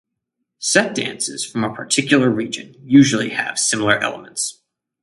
Set dances from a particular region usually have similar elements.